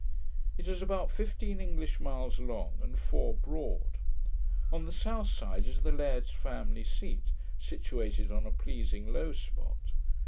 It is about fifteen English miles long, and four broad. On the south side is the laird's family seat, situated on a pleasing low spot.